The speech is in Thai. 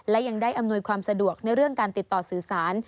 และยังได้อำนวยความสะดวกในเรื่องการติดต่อสื่อสาร